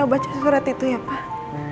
saya baca surat itu ya pak